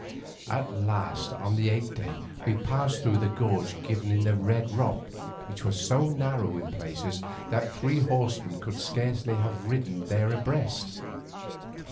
At last on the eighth day we passed through a gorge riven in the red rock, which was so narrow in places that three horsemen could scarcely have ridden there abreast.